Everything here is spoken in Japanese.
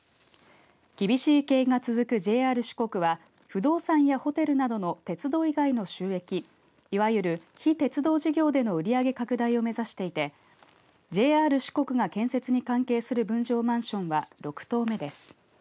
厳しい経営が続くＪＲ四国は不動産やホテルなどの鉄道以外の収益いわゆる非鉄道事業での売上拡大を目指していてＪＲ四国が建設に関係する分譲マンションは６棟目です。